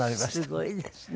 すごいですね。